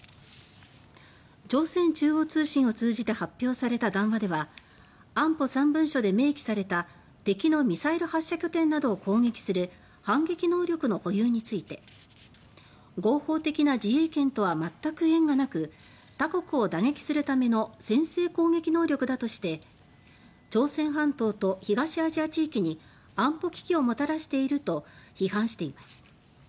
朝鮮中央通信を通じて発表された談話では「安保３文書」で明記された敵のミサイル発射拠点などを攻撃する「反撃能力」の保有について「合法的な自衛権とは全く縁がなく他国を打撃するための先制攻撃能力だ」として「朝鮮半島と東アジア地域に安保危機をもたらしている」と批判しています。